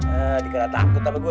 eh dikena takut sama gua